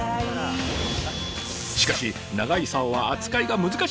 しかし長いサオは扱いが難しい！